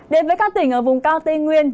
đến với các tỉnh ở vùng cao tây nguyên